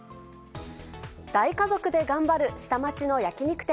大家族で頑張る下町の焼き肉店。